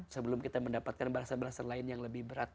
sebelum kita mendapatkan balasan balasan lain yang lebih berat